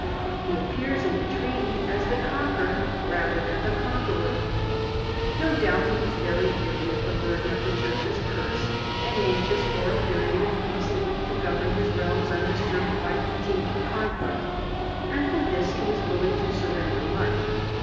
He appears in the treaty as the conquered rather than the conqueror. No doubt he was very weary of the burden of the Church's curse and anxious for a period of peace in which to govern his realms undisturbed by continued conflict : and for this he was willing to surrender much.